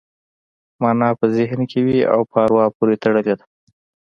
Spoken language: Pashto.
مانا په ذهن کې وي او په اروا پورې تړلې ده